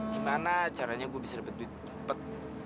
gimana caranya gue bisa dapat duit cepat